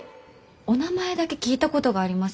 お名前だけ聞いたことがあります。